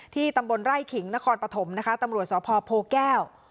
ตำบลไร่ขิงนครปฐมนะคะตำรวจสพโพแก้ว